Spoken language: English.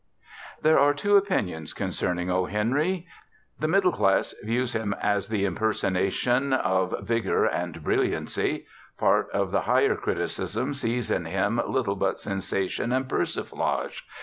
There are two opinions concerning O. Henry. The middle class views him as the impersonation of vigor and brilliancy; part of the higher criticism sees in him little but sensation and persiflage.